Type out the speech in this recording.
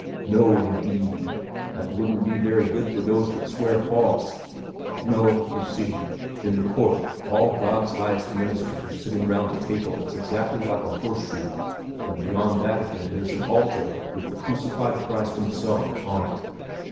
"No, indeed! That wouldn't be very good for those that swear false. No, you see, in the court all God's highest ministers are sitting round a table that's exactly like a horseshoe, and beyond that again there's an altar with the crucified Christ Himself upon it.